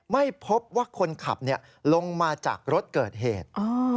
ไม่พบว่าคนขับลงมาจากรถเกิดเหตุ